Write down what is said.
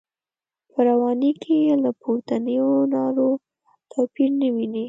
په رواني کې یې له پورتنیو نارو توپیر نه ویني.